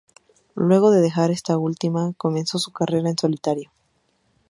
Luego de dejar esta última, comenzó su carrera en solitario.